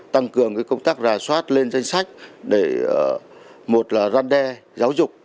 tăng cường công tác rà soát lên danh sách để một là răn đe giáo dục